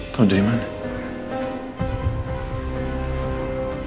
tau dari mana